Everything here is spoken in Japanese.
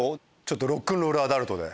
ロックンロールアダルトで。